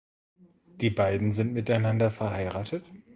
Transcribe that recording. Die beiden sind miteinander verheiratet.